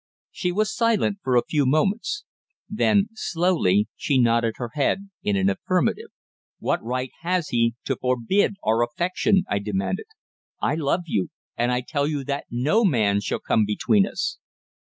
She was silent for a few moments. Then slowly she nodded her head in an affirmative. "What right has he to forbid our affection?" I demanded. "I love you, and I tell you that no man shall come between us!"